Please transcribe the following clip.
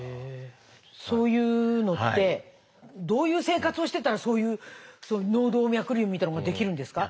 そういうのってどういう生活をしてたらそういう脳動脈瘤みたいなのができるんですか？